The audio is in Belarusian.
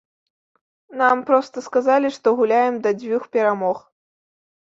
Нам проста сказалі, што гуляем да дзвюх перамог.